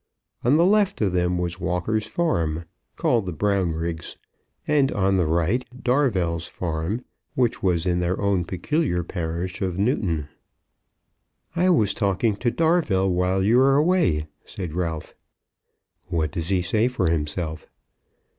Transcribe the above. On the left of them was Walker's farm, called the Brownriggs; and on the right, Darvell's farm, which was in their own peculiar parish of Newton. "I was talking to Darvell while you were away," said Ralph. "What does he say for himself?"